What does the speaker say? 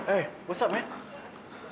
eh apa kabar pak